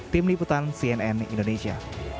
tim liputan cnn indonesia